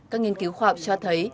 các nghiên cứu khoa học cho thấy